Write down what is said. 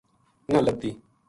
نہ لبھتی